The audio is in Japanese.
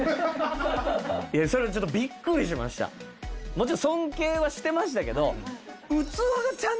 もちろん尊敬はしてましたけど。